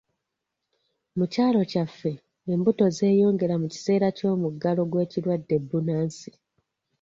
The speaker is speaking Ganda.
Mu kyalo kyaffe embuto zeeyongera mu kiseera ky'omuggalo gw'ekirwadde bbunansi.